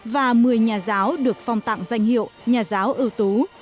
và một mươi nhà giáo được phong tặng danh hiệu nhà giáo ưu tú